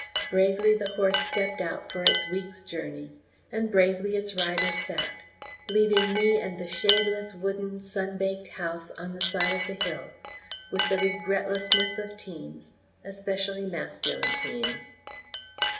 Bravely the horse stepped out for its week's journey, and bravely its rider sat, leaving me and the shadeless, wooden sun baked house on the side of the hill, with the regretlessness of teens especially masculine teens.